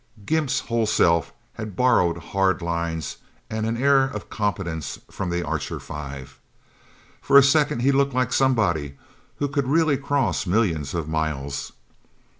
Gimp's whole self had borrowed hard lines and an air of competence from the Archer Five. For a second he looked like somebody who could really cross millions of miles.